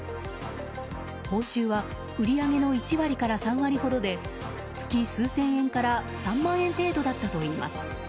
報酬は売り上げの１割から３割ほどで月数千円から３万円程度だったといいます。